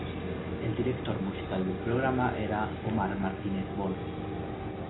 El director musical del programa era Omar Martínez Bon.